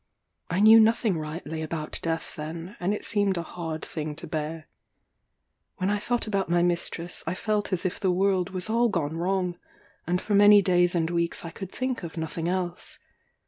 I knew nothing rightly about death then, and it seemed a hard thing to bear. When I thought about my mistress I felt as if the world was all gone wrong; and for many days and weeks I could think of nothing else.